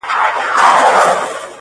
• په سینه کي یې د حرص لمبې بلیږي -